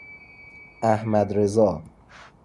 احمدرضا